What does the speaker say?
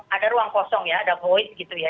ada ruang kosong ya ada boyd gitu ya